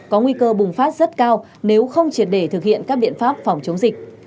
có nguy cơ bùng phát rất cao nếu không triệt để thực hiện các biện pháp phòng chống dịch